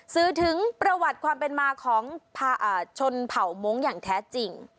สื่อถึงประวัติความเป็นมาของชนเผ่ามงค์อย่างแท้จริง